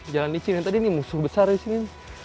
jalan licin yang tadi ini musuh besar disini